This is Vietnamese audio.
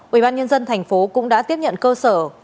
ubnd tp cũng đã tiếp nhận cơ sở